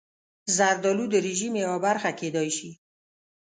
زردالو د رژیم یوه برخه کېدای شي.